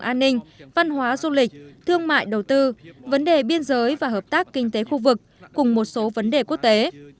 an ninh văn hóa du lịch thương mại đầu tư vấn đề biên giới và hợp tác kinh tế khu vực cùng một số vấn đề quốc tế